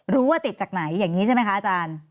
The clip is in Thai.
ว่าติดจากไหนอย่างนี้ใช่ไหมคะอาจารย์